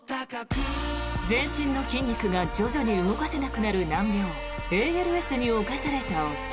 全身の筋肉が徐々に動かせなくなる難病ＡＬＳに侵された夫。